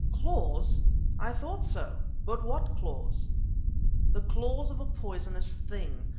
"Claws! I thought so! But what claws?" "The claws of a poisonous thing.